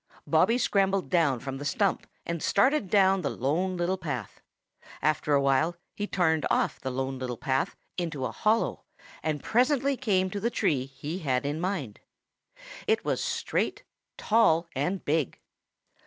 Bobby scrambled down from the stump and started down the Lone Little Path. After a while he turned off the Lone Little Path into a hollow and presently came to the tree he had in mind. It was straight, tall, and big.